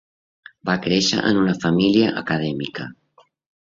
Va créixer en una família acadèmica.